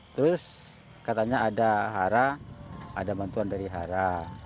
terus katanya ada hara ada bantuan dari hara